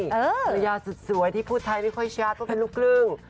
ภูตไทยสุดสวยที่ภูตไทยไม่ค่อยชัดก็เป็นลูกกลึ่ง